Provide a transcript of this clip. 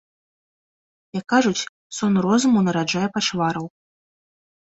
Як кажуць, сон розуму нараджае пачвараў.